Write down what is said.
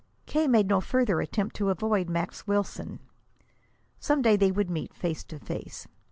K. made no further attempt to avoid Max Wilson. Some day they would meet face to face.